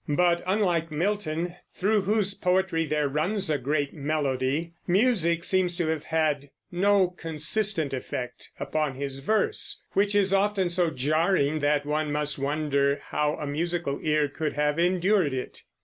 But unlike Milton, through whose poetry there runs a great melody, music seems to have had no consistent effect upon his verse, which is often so jarring that one must wonder how a musical ear could have endured it.